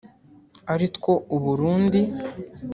aritwo u Burundi